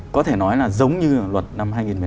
có thể nói là giống như luật năm hai nghìn một mươi ba